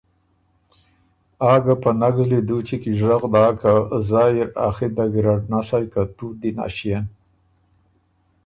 آ ګۀ په نک زلی دُوچی کی ژغ داک که زایٛ اِر ا خِط دَ ګیرډ نسئ که تُوت دی نݭيېن